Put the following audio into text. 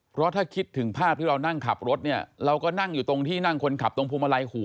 เพราะถ้าคิดถึงภาพที่เรานั่งขับรถเนี่ยเราก็นั่งอยู่ตรงที่นั่งคนขับตรงพวงมาลัยหัว